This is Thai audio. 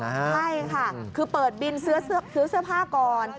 ใช่ค่ะคือเปิดบินซื้อเสื้อผ้าก่อน